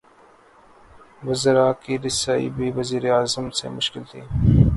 وزرا کی رسائی بھی وزیر اعظم سے مشکل تھی۔